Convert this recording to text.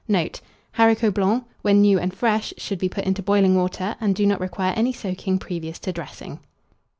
Note. Haricots blancs, when new and fresh, should be put into boiling water, and do not require any soaking previous to dressing.